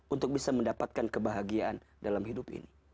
untuk bisa mendapatkan kebahagiaan dalam hidup ini